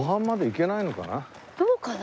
どうかな？